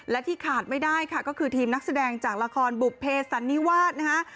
และที่ขาดไม่ได้ค่ะก็คือทีมนักแสดงจากละครบุภเพสันนิวาสนะคะ